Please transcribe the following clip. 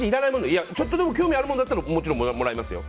ちょっとでも興味があるものならもちろん、もらいますよ。